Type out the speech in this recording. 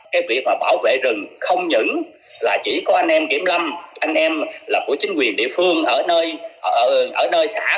cái việc mà bảo vệ rừng không những là chỉ có anh em kiểm lâm anh em là của chính quyền địa phương ở nơi ở nơi xã